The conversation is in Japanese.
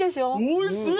おいしい！